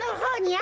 あ。